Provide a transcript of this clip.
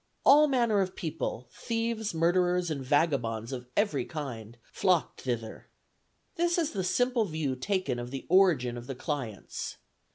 All manner of people, thieves, murderers, and vagabonds of every kind, flocked thither. This is the simple view taken of the origin of the clients.